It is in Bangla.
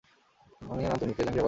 আমি না তুমি, কে জাঙ্গিয়া পরে না?